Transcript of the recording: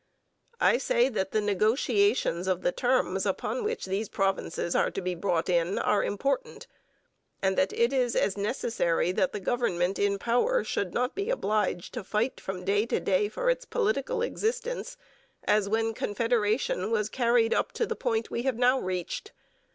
I say that the negotiations of the terms upon which these provinces are to be brought in are important, and that it is as necessary that the government in power should not be obliged to fight from day to day for its political existence, as when Confederation was carried up to the point we have now reached....